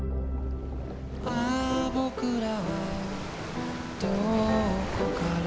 「あぁ僕らはどこから」